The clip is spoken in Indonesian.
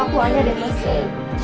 kamu kenapa sayang